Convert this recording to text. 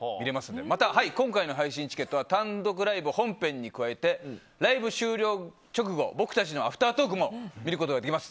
また今回の配信チケットは単独ライブ本編に加えてライブ終了直後、僕たちのアフタートークも見ることができます。